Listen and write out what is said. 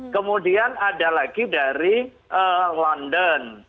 kemudian ada lagi dari london